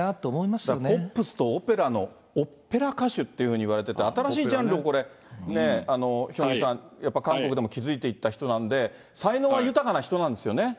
だから、ポップスとオペラの、オッペラ歌手っていうふうにいわれてて、新しいジャンルをね、ヒョンギさん、韓国でも築いていった方なんで、才能は豊かな人なんですよね。